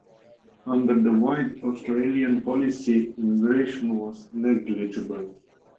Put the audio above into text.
Under the White Australia policy, immigration was negligible.